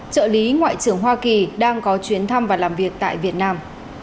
trợ lý ngoại trưởng hoa kỳ đang có chuyến thăm và làm việc tại việt nam